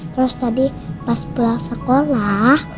terus tadi pas pulang sekolah